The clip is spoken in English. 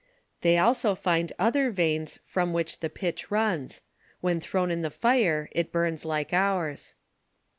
They also find other veins, from which the pitch runs ; when thrown in the fire, it burns like oure.